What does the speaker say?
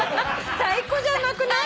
太鼓じゃなくない？